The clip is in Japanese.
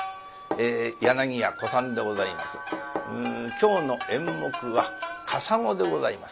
今日の演目は「笠碁」でございます。